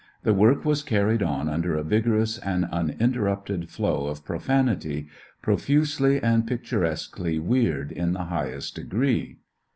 The work was carried on under a vigorous and uninter rupted flow of profanity, profusely and pic turesquely weird in the highest degree.